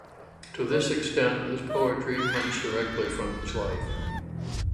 To this extent, his poetry comes directly from his life.